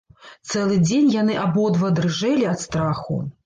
Цэлы дзень яны абодва дрыжэлі ад страху.